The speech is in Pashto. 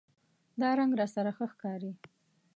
دا رنګ راسره ښه ښکاری